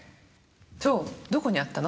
そうどこにあったの？